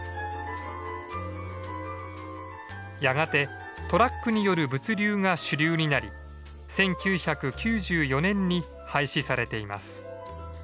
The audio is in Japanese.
やがてトラックによる物流が主流になり１９９４年に廃止されています。